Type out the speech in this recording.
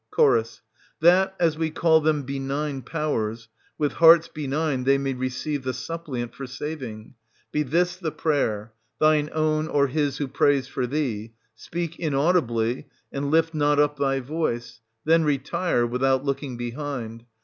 Ch. That, as we call them Benign Powers, with hearts benign they may receive the suppliant for saving: be this the prayer, — thine own, or his who prays for thee ; speak inaudibly, and lift not up thy voice ; then 490 retire, without looking behind.